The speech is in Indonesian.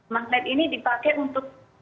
magnet ini dipakai untuk